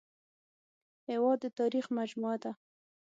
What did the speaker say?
هېواد د تاریخ مجموعه ده